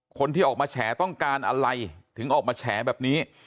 คนที่ออกมาแฉต้องการอะไรถึงออกมาแฉแบบนี้